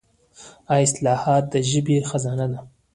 دا اصطلاحات د ژبې خزانه ده.